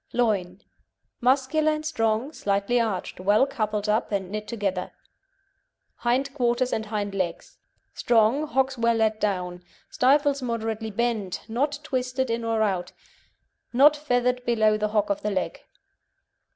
LOIN Muscular and strong, slightly arched, well coupled up and knit together. HIND QUARTERS AND HIND LEGS Strong; hocks well let down; stifles moderately bent (not twisted in or out), not feathered below the hock on the leg.